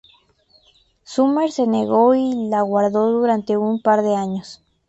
Summer se negó y la guardó durante un par de años.